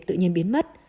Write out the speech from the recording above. tự nhiên biến mất